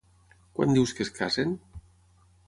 Quan dius que es casen?